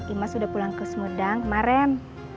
imas udah pulang ke semudang kemarin